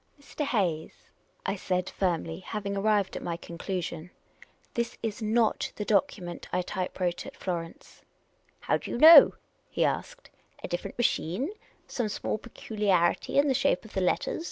" Mr. Hayes," I said, firmly, having arrived at my conclu sion, this is not the document I typewrote at Florence." *' How do you know ?" he asked. '' A different machine ? Some small peculiarity in the shape of the letters ?" NEVKK !